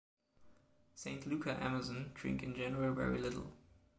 St. Luca Amazon drink in general very little.